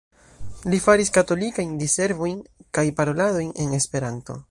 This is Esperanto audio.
Li faris katolikajn diservojn kaj paroladojn en Esperanto.